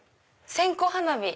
線香花火。